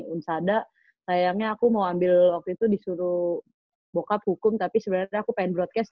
unsada sayangnya aku mau ambil waktu itu disuruh bockup hukum tapi sebenarnya aku pengen broadcast